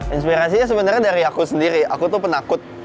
inspirasinya sebenarnya dari aku sendiri aku tuh penakut